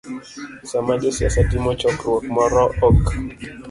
Sama josiasa timo chokruok moro, ok